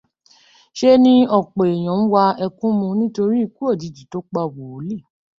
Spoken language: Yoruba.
Ṣe ni ọ̀pọ̀ èèyàn ń wa ẹkún mu torí ikú òjijì tó pa wòlíì.